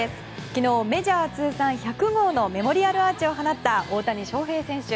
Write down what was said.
昨日メジャー通算１００号のメモリアルアーチを放った大谷翔平選手。